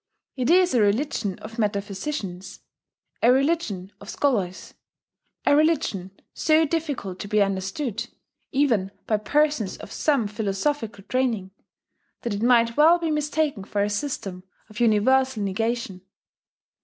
It is a religion of metaphysicians, a religion of scholars, a religion so difficult to be understood, even by persons of some philosophical training, that it might well be mistaken for a system of universal negation.